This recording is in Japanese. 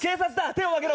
手を上げろ！